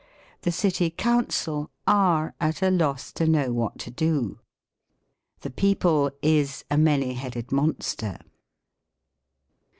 " The city Coun cil are at a loss to know what to do." " The people is a many headed monster."